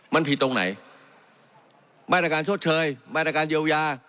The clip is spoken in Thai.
มันผิดตรงไหนมาตรการชดเชยมาตรการเยียวยา